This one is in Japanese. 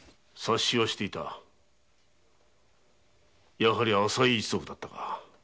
やはり朝井一族だったか。